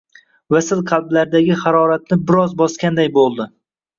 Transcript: Vasl qalblaridagi haroratni bir oz bosganday bo`ldi